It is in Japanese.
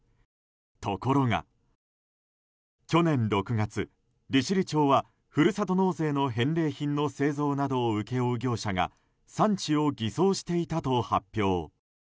ところが、去年６月利尻町はふるさと納税の返礼品の製造などを請け負う業者が産地を偽装していたと発表。